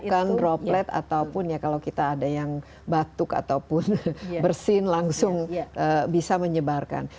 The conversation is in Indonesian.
bukan droplet ataupun ya kalau kita ada yang batuk ataupun bersin langsung bisa menyebarkan